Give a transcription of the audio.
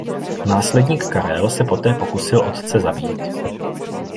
Následník Karel se poté pokusil otce zabít.